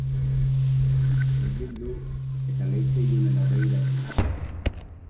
Hurbildu, eta leize ilunera begiratu nuen.